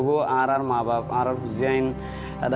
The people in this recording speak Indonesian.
saya mau hidup di rakhine